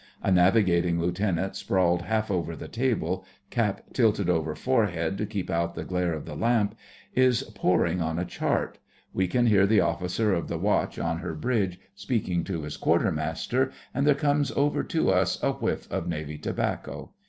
A Navigating Lieutenant sprawled half over the table, cap tilted over forehead to keep out the glare of the lamp, is poring on a chart; we can hear the officer of the watch on her bridge speaking to his Quartermaster, and there comes over to us a whiff of Navy tobacco.